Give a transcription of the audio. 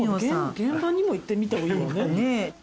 現場にも行ってみた方がいいわね。